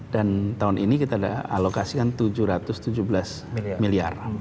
dan tahun ini kita ada alokasikan tujuh ratus tujuh belas miliar